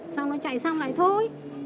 xong nó chạy xong lại thôi